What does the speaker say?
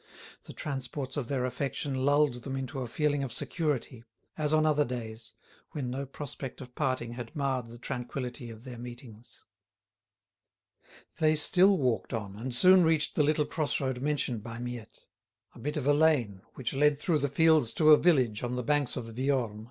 The transports of their affection lulled them into a feeling of security, as on other days, when no prospect of parting had marred the tranquility of their meetings. They still walked on, and soon reached the little crossroad mentioned by Miette—a bit of a lane which led through the fields to a village on the banks of the Viorne.